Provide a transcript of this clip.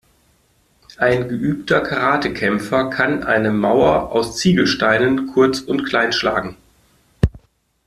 Ein geübter Karatekämpfer kann eine Mauer aus Ziegelsteinen kurz und klein schlagen.